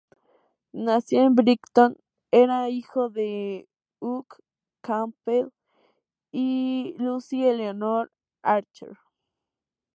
Nacido en Brighton, era hijo de Hugh Campbell y Lucy Eleanor Archer.